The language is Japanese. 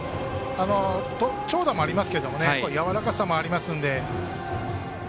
長打もありますがやわらかさもありますので。